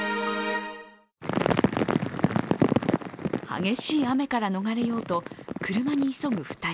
激しい雨から逃れようと、車に急ぐ２人。